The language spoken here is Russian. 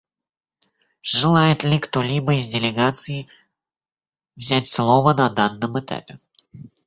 Желает ли кто-либо из делегаций взять слово на данном этапе?